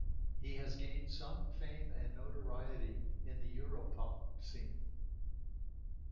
He has gained some fame and notoriety in the Europop scene.